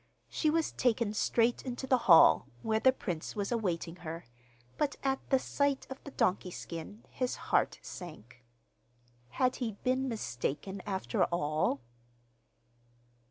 She was taken straight into the hall, where the prince was awaiting her, but at the sight of the donkey skin his heart sank. Had he been mistaken after all?